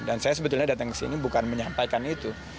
saya sebetulnya datang ke sini bukan menyampaikan itu